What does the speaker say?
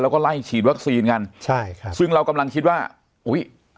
แล้วก็ไล่ฉีดวัคซีนกันใช่ค่ะซึ่งเรากำลังคิดว่าอุ้ย